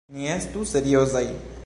Ni estu seriozaj.